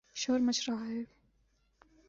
شور مچ رہا ہے۔